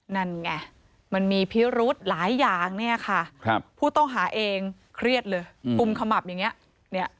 นั่นไงมันมีพิรุธหลายอย่างเนี่ยค่ะผู้ต้องหาเองเครียดเลยกุมขมับอย่างนี้